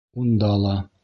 Унда ла!